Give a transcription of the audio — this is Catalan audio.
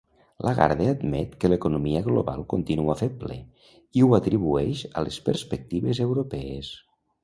Lagarde admet que l'economia global continua feble i ho atribueix a les perspectives europees.